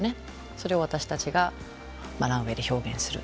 それを私たちがランウェイで表現する。